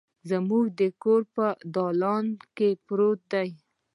زموږ د کور په دالان کې پرته ده